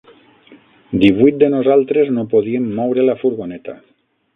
Divuit de nosaltres no podíem moure la furgoneta.